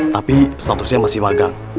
tapi statusnya masih magang